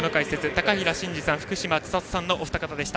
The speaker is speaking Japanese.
高平慎士さん、福島千里さんのお二方でした。